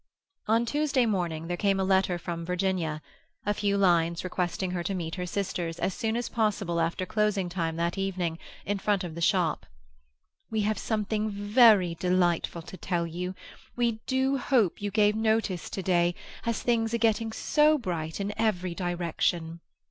On Tuesday morning there came a letter from Virginia—a few lines requesting her to meet her sisters, as soon as possible after closing time that evening, in front of the shop. "We have something very delightful to tell you. We do hope you gave notice to day, as things are getting so bright in every direction."